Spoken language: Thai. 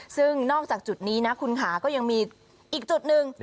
ซึ่งนอกจากจุดนี้นะคุณค่ะก็ยังมีอีกจุดหนึ่ง